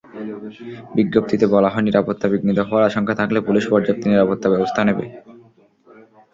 বিজ্ঞপ্তিতে বলা হয়, নিরাপত্তা বিঘ্নিত হওয়ার আশঙ্কা থাকলে পুলিশ পর্যাপ্ত নিরাপত্তাব্যবস্থা নেবে।